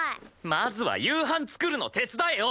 まずは夕飯作るの手伝えよ！